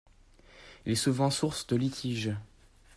Il est souvent source de litige.